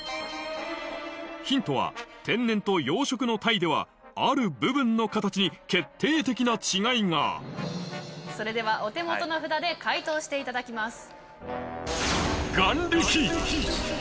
ヒントは天然と養殖のタイではある部分の形に決定的な違いがそれではお手元の札で解答していただきます。